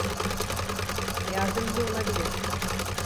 Yardımcı olabilir.